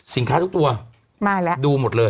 สินค้าทุกตัวดูหมดเลย